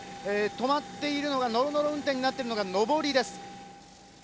止まっているのは、のろのろ運転になっているのが上りです。